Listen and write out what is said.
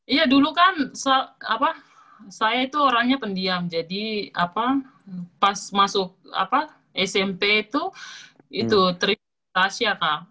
iya dulu kan apa saya itu orangnya pendiam jadi apa pas masuk apa smp itu itu terima tasya kan